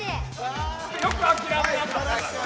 よくあきらめなかった。